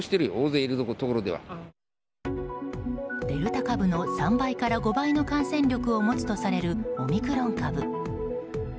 デルタ株の３倍から５倍の感染力を持つとされるオミクロン株。